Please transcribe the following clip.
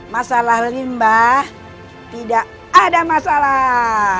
masalah limbah tidak ada masalah